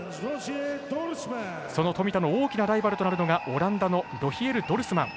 その富田の大きなライバルとなるのがオランダのロヒエル・ドルスマン。